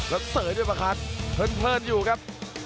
แล้วเสุยด้วยประคานเสิร์ทอยู่ครับ